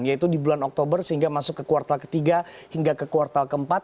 yaitu di bulan oktober sehingga masuk ke kuartal ketiga hingga ke kuartal keempat